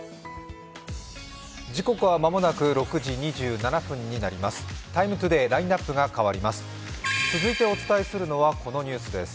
時刻は間もなく６時２７分になります。